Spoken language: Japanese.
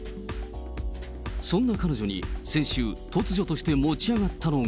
そんな彼女に先週、突如として持ち上がったのが。